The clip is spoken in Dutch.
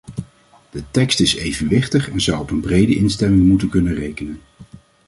De tekst is evenwichtig en zou op een brede instemming moeten kunnen rekenen.